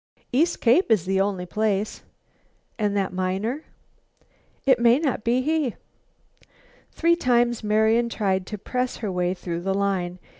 "East Cape is the only place." "And that miner?" "It may not be he." Three times Marian tried to press her way through the line.